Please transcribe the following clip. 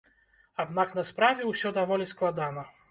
Аднак на справе ўсё даволі складана.